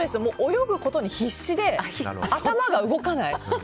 泳ぐことに必死で頭が動かない。